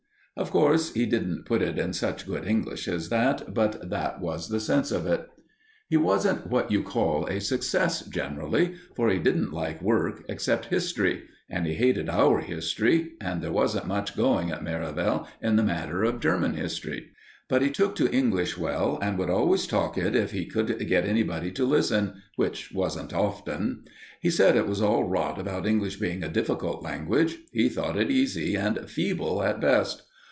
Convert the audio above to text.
Of course, he didn't put it in such good English as that, but that was the sense of it. He wasn't what you call a success generally, for he didn't like work, except history; and he hated our history, and there wasn't much doing at Merivale in the matter of German history. But he took to English well, and would always talk it if he could get anybody to listen, which wasn't often. He said it was all rot about English being a difficult language. He thought it easy and feeble at best.